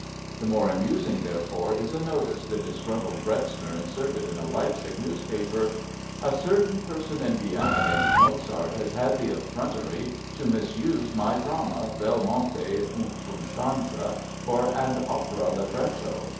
The more amusing, therefore, is a notice the disgruntled Bretzner inserted in a Leipzig newspaper: "A certain person in Vienna named Mozart has had the effrontery to misuse my drama 'Belmonte und Constanze' for an opera libretto.